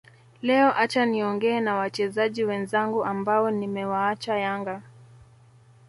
Leo acha niongee na wachezaji wenzangu ambao nimewaacha Yanga